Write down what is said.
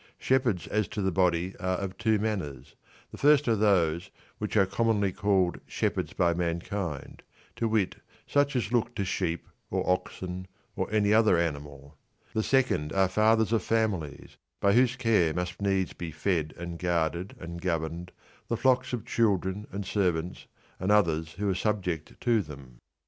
Shepherds as to the body are of two manners, the first are those which are commonly called shepherds by mankind, to wit such as look to sheep, or oxen or any other animal ; the second are fathers of families, ty whose care must needs be fed and guarded and governed the flocks of children and servants and others who are subject to them.